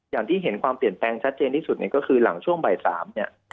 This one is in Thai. อย่างที่เห็นความเปลี่ยนแปลงชัดเจนที่สุดเนี่ยก็คือหลังช่วงบ่าย๓เนี่ย